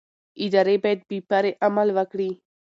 ادارې باید بې پرې عمل وکړي